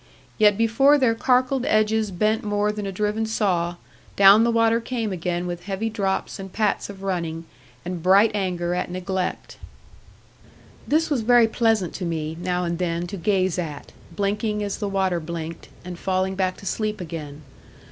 Yet before their carkled edges bent more than a driven saw, down the water came again with heavy drops and pats of running, and bright anger at neglect. This was very pleasant to me, now and then, to gaze at, blinking as the water blinked, and falling back to sleep again.